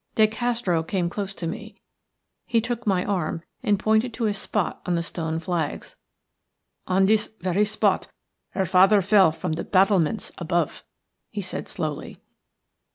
De Castro came close to me; he took my arm, and pointed to a spot on the stone flags. "On this very spot her father fell from the battlements above," he said, slowly.